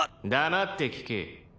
「黙って聞け」